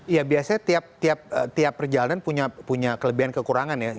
ya biasanya tiap perjalanan punya kelebihan kekurangan ya